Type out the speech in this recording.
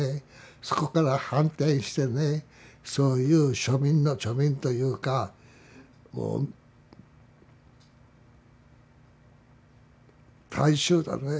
そこから反転してねそういう庶民の庶民というかこう大衆だね。